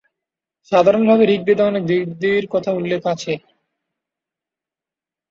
সাধারণভাবে ঋগ্বেদে অনেক দেবদেবীর উল্লেখ আছে।